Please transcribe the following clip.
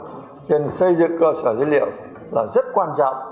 trên xây dựng cơ sở dữ liệu là rất quan trọng